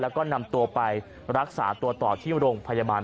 แล้วก็นำตัวไปรักษาตัวต่อที่โรงพยาบาล